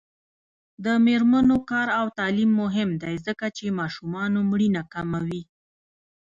د میرمنو کار او تعلیم مهم دی ځکه چې ماشومانو مړینه کموي.